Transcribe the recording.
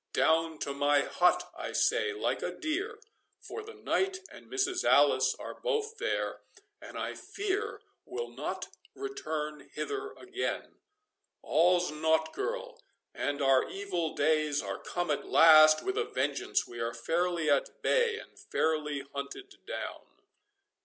Down to my hut, I say, like a deer, for the knight and Mrs. Alice are both there, and I fear will not return hither again.—All's naught, girl—and our evil days are come at last with a vengeance—we are fairly at bay and fairly hunted down."